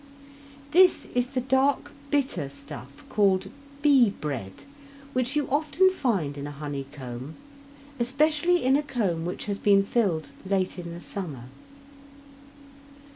This is the dark, bitter stuff called "bee bread" which you often find in a honeycomb, especially in a comb which has been filled late in the summer.